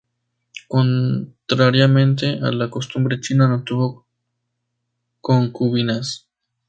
Contrariamente a la costumbre china, no tuvo concubinas.